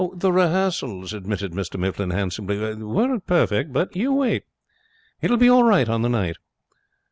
'The rehearsals,' admitted Mr Mifflin, handsomely, 'weren't perfect; but you wait. It'll be all right on the night.'